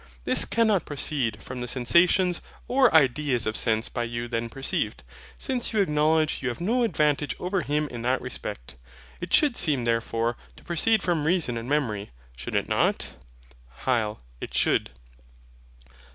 This cannot proceed from the sensations or ideas of sense by you then perceived; since you acknowledge you have no advantage over him in that respect. It should seem therefore to proceed from reason and memory: should it not? HYL. It should.